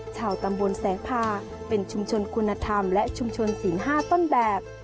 ชาวตำบลแสงพาเป็นชุมชนคุณธรรมและชุมชนสิง๕ต้นแบบ